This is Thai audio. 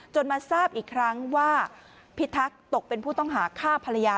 มาทราบอีกครั้งว่าพิทักษ์ตกเป็นผู้ต้องหาฆ่าภรรยา